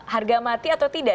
harga mati atau tidak